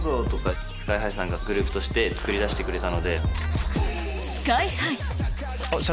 今ＳＫＹ−ＨＩさんがグループとしてつくり出してくれた。